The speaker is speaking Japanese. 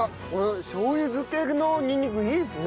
しょう油漬けのにんにくいいですね。